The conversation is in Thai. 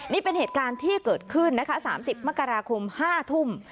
นี่เป็นเหตุการณ์ที่เกิดขึ้นนะคะ๓๐มกราคม๕ทุ่ม